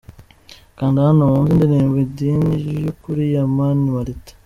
Kanda hano wumve indirimbo Idini y'ukuri ya Mani Martin.